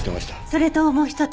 それともう一つ。